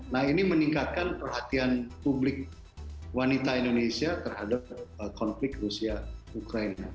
nah ini meningkatkan perhatian publik wanita indonesia terhadap konflik rusia ukraina